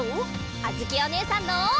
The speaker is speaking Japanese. あづきおねえさんの。